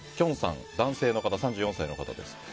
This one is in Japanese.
男性、３４歳の方です。